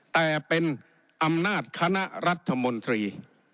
แต่เป็นอำนาจคณะรัฐมนตรี